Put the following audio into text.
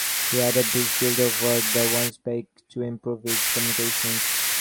He had a bridge built over the Wansbeck to improve its communications.